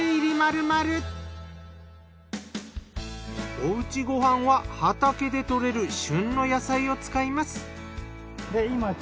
おうちご飯は畑で採れる旬の野菜を使います。